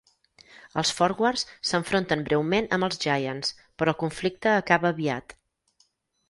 Els Forwards s'enfronten breument amb els Giants, però el conflicte acaba aviat.